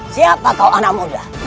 siapa kau anak muda